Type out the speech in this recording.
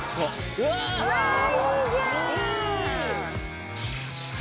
うわいいじゃん！